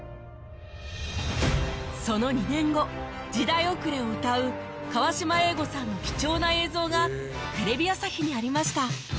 その２年後『時代おくれ』を歌う河島英五さんの貴重な映像がテレビ朝日にありました